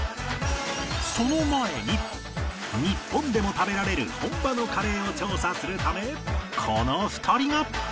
その前に日本でも食べられる本場のカレーを調査するためこの２人が